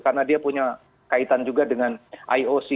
karena dia punya kaitan juga dengan ioc